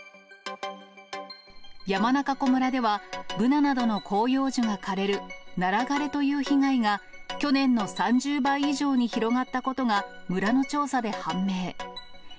山中湖村では、ブナなどの広葉樹が枯れるナラ枯れという被害が、去年の３０倍以上に広がったことが、村の調査で判明。